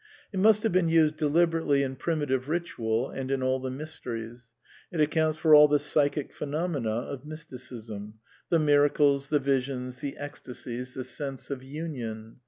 It must have been used deliberately in primitive ritual and in all the Mysteries. It accoimts for all the " psychic phenom ena " of Mysticism: the miracles, the visions, the ecstasies, the sense of Union.